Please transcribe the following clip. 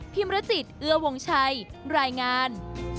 มรจิตเอื้อวงชัยรายงาน